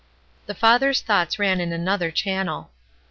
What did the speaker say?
The father's thoughts ran in another channel.